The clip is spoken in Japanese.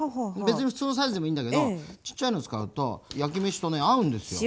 別に普通のサイズでもいいんだけどちっちゃいの使うと焼き飯とね合うんですよ。